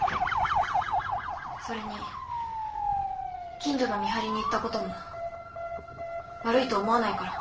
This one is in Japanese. それに近所の見張りに行ったことも悪いと思わないから。